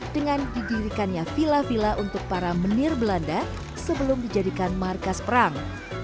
dengan didirikannya villa villa untuk para menir belanda sebelum dijadikan markas perang